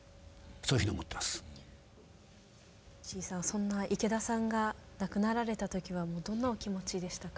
そんな池田さんが亡くなられた時はどんなお気持ちでしたか？